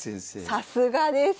さすがです。